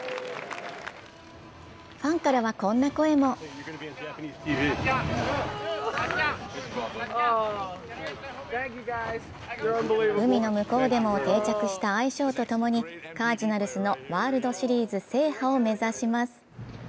ファンからはこんな声も海の向こうでも定着した愛称とともにカージナルスのワールドシリーズ制覇を目指します。